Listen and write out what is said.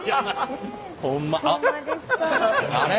あれ？